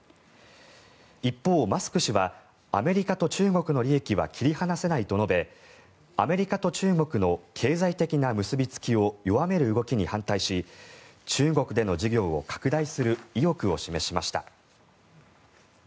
一方、マスク氏はアメリカと中国の利益は切り離せないと述べアメリカと中国の経済的な結びつきを弱める動きに反対し中国での事業を拡大する意欲を示しました。